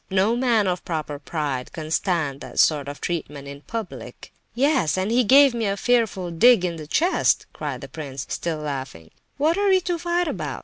No man of proper pride can stand that sort of treatment in public." "Yes, and he gave me a fearful dig in the chest," cried the prince, still laughing. "What are we to fight about?